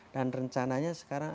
dan rencananya sekarang